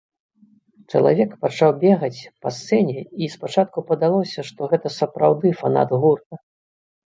Чалавек пачаў бегаць па сцэне, і спачатку падалося, што гэта сапраўды фанат гурта.